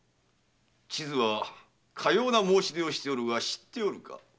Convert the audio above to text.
千津はかような申し出をしておるが知っておるか？